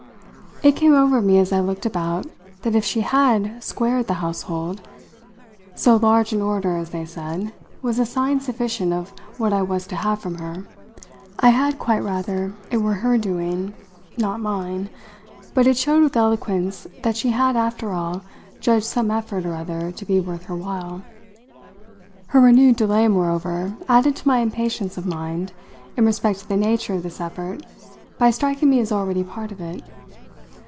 It came over me as I looked about that if she had "squared" the household, so large an order, as they said, was a sign sufficient of what I was to have from her. I had quite rather it were her doing not mine; but it showed with eloquence that she had after all judged some effort or other to be worth her while. Her renewed delay moreover added to my impatience of mind in respect to the nature of this effort by striking me as already part of it.